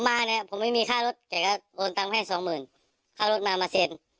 มาเนี่ยผมไม่มีค่ารถแกก็โอนตังให้สองหมื่นค่ารถมามาเซ็น